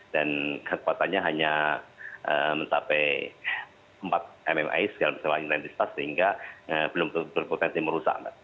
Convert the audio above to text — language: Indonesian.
dan kekuatannya hanya mencapai empat mmi sehingga belum berpotensi merusak